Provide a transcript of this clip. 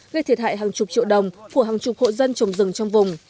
gây thiệt hại hàng chục triệu đồng của hàng chục hộ dân trồng rừng trong vùng